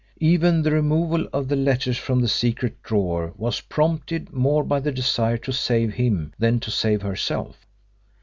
Even the removal of the letters from the secret drawer was prompted more by the desire to save him than to save herself.